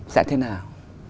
sẽ thế nào